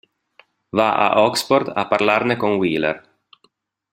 Va a Oxford a parlarne con Wheeler.